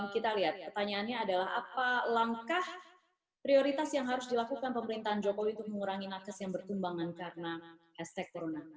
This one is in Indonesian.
kita lihat pertanyaannya adalah apa langkah prioritas yang harus dilakukan pemerintahan jokowi untuk mengurangi nakes yang bertumbangan karena hashtag corona